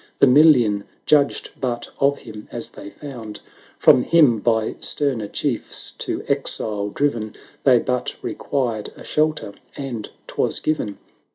The million judged but of him as they found; From him by sterner chiefs to exile driven They but required a shelter, and 'twas given.